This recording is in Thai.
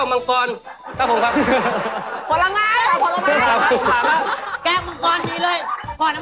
รวมกันเป็นแก้วเมิงกรอนครับผมครับ